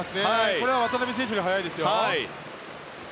これは渡辺選手より速いですよ。